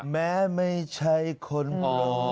แม้ไม่ใช่คนหล่อ